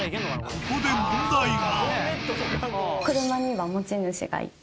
ここで問題が。